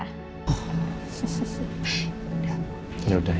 oh baik udah